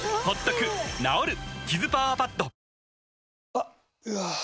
あっ、うわー。